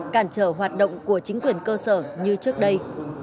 cản trở hoạt động của chính quyền cơ sở như trước đây